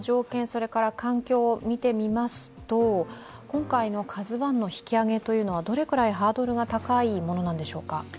それから環境を見てみますと今回の「ＫＡＺＵⅠ」の引き揚げというのはどれくらいハードルが高いものなのでしょうか？